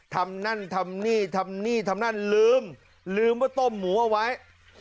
ทำนั่นทำนี่ทำนี่ทำนั่นลืมลืมว่าต้มหมูเอาไว้